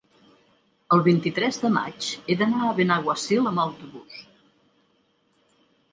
El vint-i-tres de maig he d'anar a Benaguasil amb autobús.